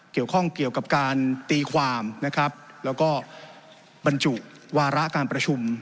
เกี่ยวกับการตีความนะครับแล้วก็บรรจุวาระการประชุม